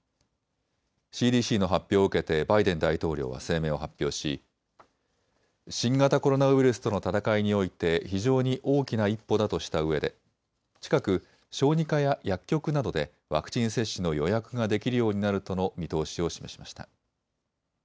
ＣＤＣの発表を受けてバイデン大統領は声明を発表し、新型コロナウイルスとの闘いにおいて非常に大きな一歩だとしたうえで近く、小児科や薬局などでワクチン接種の予約ができるようになるとの見通しを示しました。